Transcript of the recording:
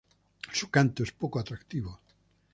Su canto es poco atractivo.